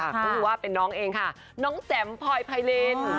ก็คือว่าเป็นน้องเองค่ะน้องแจ๋มพลอยไพริน